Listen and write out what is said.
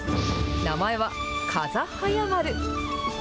名前は風早丸。